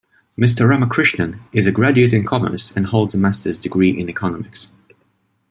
Mr. Ramakrishnan is a Graduate in Commerce and holds a master's degree in Economics.